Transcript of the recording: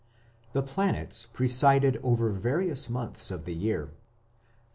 The planets presided over various months of the year.